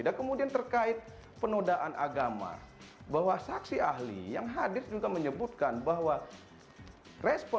dan kemudian terkait penodaan agama bahwa saksi ahli yang hadir juga menyebutkan bahwa respon terhadap volume suara itu tidak terpenuhi